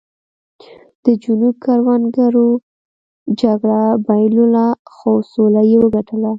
د جنوب کروندګرو جګړه بایلوله خو سوله یې وګټله.